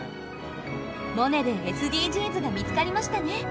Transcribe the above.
「モネ」でＳＤＧｓが見つかりましたね。